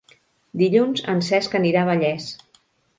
Dilluns en Cesc anirà a Vallés.